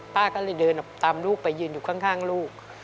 ป้าก็เลยเดินตามลูกไปยืนอยู่ข้างลูก